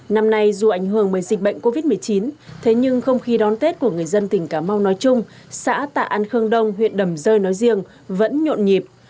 năm nay dù ảnh hưởng bởi dịch bệnh covid một mươi chín thế nhưng không khí đón tết của người dân tỉnh cà mau nói chung xã tạ an khương đông huyện đầm rơi nói riêng vẫn nhộn nhịp